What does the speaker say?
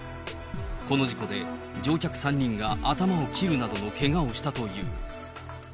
この事故で乗客３人が頭を切るなどのけがをしたという。